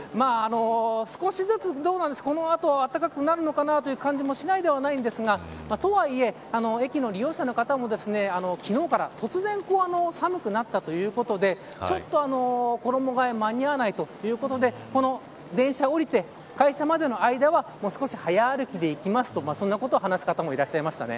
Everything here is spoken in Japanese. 少しずつこの後暖かくなるのかなという感じもしないではないんですがとはいえ、駅の利用者の方も昨日から突然寒くなったということでちょっと衣替え間に合わないということで電車を降りて、会社までの間は少し、はや歩きで行きますとそんなことを話す方もいらっしゃいました。